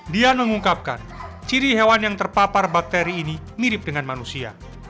dian mengungkapkan ciri hewan yang terpapar bakteri ini mirip dengan manusia